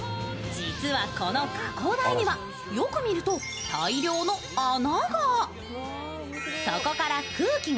実はこの加工台には、よく見ると大量の穴が。